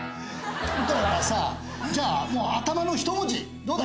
だからさじゃあもう頭の一文字どうだ？